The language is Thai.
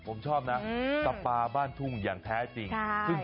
ผมชอบนะสปาบ้านทุ่งอย่างแท้จริง